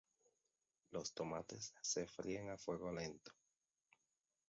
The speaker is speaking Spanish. Los tomates se fríen a fuego lento.